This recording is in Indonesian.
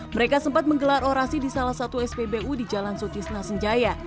mereka sempat menggelar orasi di salah satu spbu di jalan sutisna senjaya